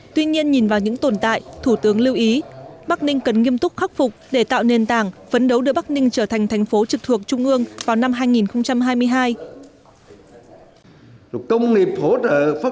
tuy nhiên nhìn vào những tồn tại thủ tướng lưu ý bắc ninh cần nghiêm túc khắc phục để tạo nền tảng phấn đấu đưa bắc ninh trở thành thành phố trực thuộc trung ương vào năm hai nghìn hai mươi hai